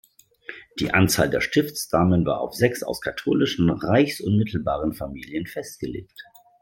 Die Anzahl der Stiftsdamen war auf sechs aus katholischen reichsunmittelbaren Familien festgelegt.